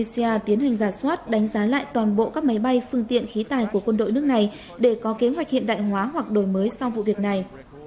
malaysia tiến hành giả soát đánh giá lại toàn bộ các máy bay phương tiện khí tài của quân đội nước này để có kế hoạch hiện đại hóa hoặc đổi mới sau vụ việc này